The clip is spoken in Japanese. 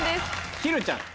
ひるちゃん。